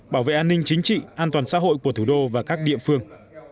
bảo vệ an ninh chính trị an toàn xã hội của thủ đô và các địa phương